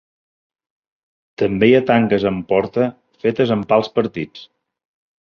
També hi ha "tanques amb porta" fetes amb pals partits.